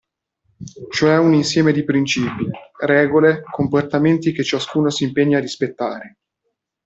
Cioè un insieme di principi, regole, comportamenti che ciascuno si impegna a rispettare.